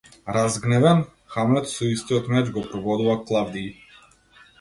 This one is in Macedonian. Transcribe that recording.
Разгневен, Хамлет со истиот меч го прободува Клавдиј.